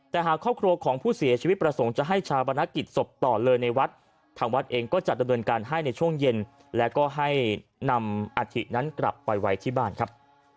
แต่หากครอบครัวของผู้เสียชีวิตประสงค์จะให้ชาวบรรณกิจศพต่อเลยในวัดทางวัดเองก็จัดดำเนินการให้ในช่วงเย็นและก็ให้นำอาถินั้นกลับไปไว้ที่บ้านครับ